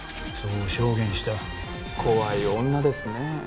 そう証言した怖い女ですねえ